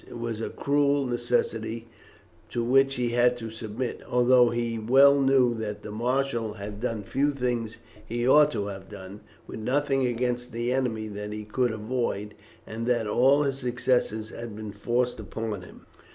It was a cruel necessity to which he had to submit, although he well knew that the marshal had done few things he ought to have done, with nothing against the enemy that he could avoid, and that all his successes had been forced upon him."